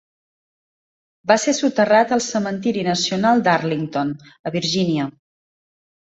Va ser soterrat al cementiri nacional d'Arlington, a Virgínia.